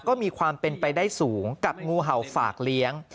ก็มีความเป็นไปได้สูงกับงูเห่าฝากเลี้ยง